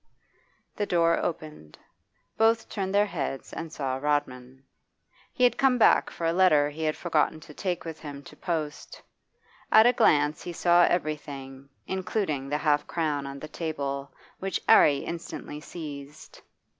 The door opened. Both turned their heads and saw Rodman. He had come back for a letter he had forgotten to take with him to post At a glance he saw everything, including the half crown on the table, which 'Arry instantly seized.